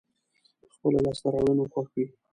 په خپلو لاسته راوړنو خوښ وي.